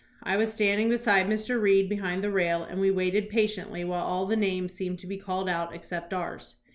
I was standing beside Mr. Reed behind the rail, and we waited pa tiently while all the names seemed to be called out except ours.